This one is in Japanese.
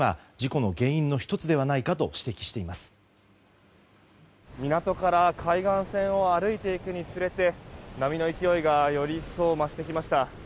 港から海岸線を歩いていくにつれて波の勢いがより一層増してきました。